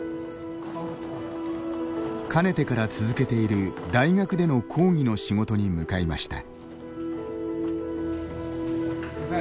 かねてから続けている大学での講義の仕事に向かいました。